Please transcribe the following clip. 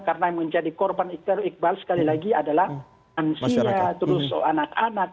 karena yang menjadi korban iqbal sekali lagi adalah masyarakat terus anak anak